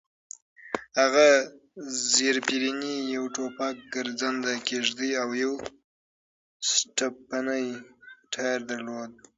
هغه زېرپېرني، یو ټوپک، ګرځنده کېږدۍ او یو سټپني ټایر درلود.